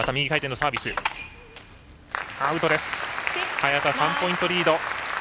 早田、３ポイントリード。